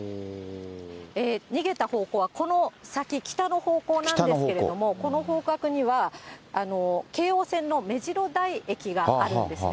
逃げた方向はこの先、北の方向なんですけれども、この方角には、京王線のめじろ台駅があるんですね。